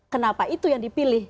kenapa itu yang dipilih